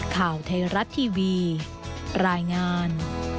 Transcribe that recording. ข่าวไทยรัฐทีวีรายงาน